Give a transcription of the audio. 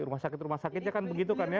rumah sakit rumah sakit ya kan begitu kan ya